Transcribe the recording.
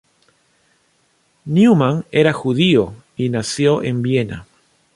Neumann era judío, y nació en Viena.